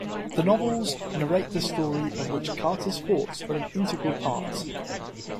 The novels narrate the story of which Carter's thoughts are an integral part.